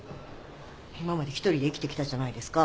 今まで一人で生きてきたじゃないですか。